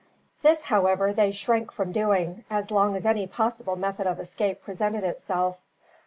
This, however, they shrank from doing, as long as any possible method of escape presented itself.